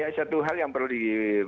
iya satu hal yang perlu di